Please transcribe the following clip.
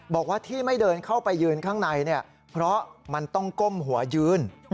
บอกว่าที่ไม่เดินเข้าไปยืนข้างในเนี่ยเพราะมันต้องก้มหัวยืน